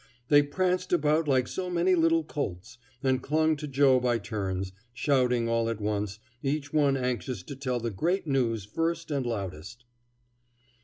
They pranced about like so many little colts, and clung to Joe by turns, shouting all at once, each one anxious to tell the great news first and loudest.